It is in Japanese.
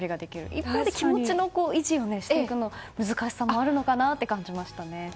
一方で気持ちの維持をする難しさもあるのかなと感じました。